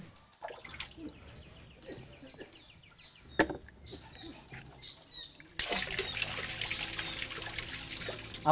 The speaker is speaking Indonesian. apa yang bisa diharapkan